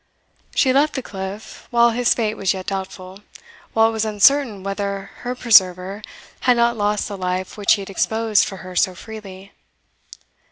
She left the cliff while his fate was yet doubtful while it was uncertain whether her preserver had not lost the life which he had exposed for her so freely.